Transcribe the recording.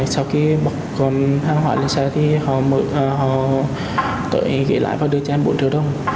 sau khi bọc hàng hỏi lên xe thì họ tới gửi lại và đưa cho em bộ tiểu đồng